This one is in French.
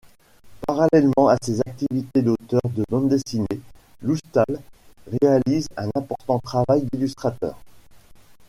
Parallèlement à ses activités d'auteur de bande dessinée, Loustal réalise un important travail d’illustrateur.